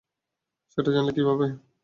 সেটা জানলেন কীভাবে?